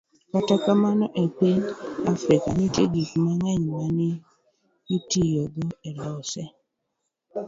Kata kamano, e piny Afrika, nitie gik mang'eny ma ne itiyogo e loso